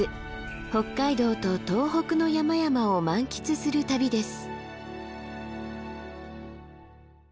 北海道と東北の山々を満喫する旅です。